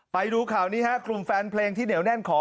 ไปดูข่าวนี้ฮะกลุ่มแฟนเพลงที่เหนียวแน่นขอ